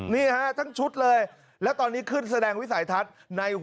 นี่ฮะทั้งชุดเลยแล้วตอนนี้ขึ้นแสดงวิสัยทัศน์ในหัว